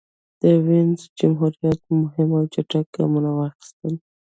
د وینز جمهوریت مهم او چټک ګامونه واخیستل.